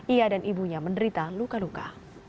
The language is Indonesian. ia dan ibunya menderita luka luka